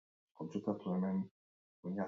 Ingelesak jaun eta jabe izan dira lehen zatian.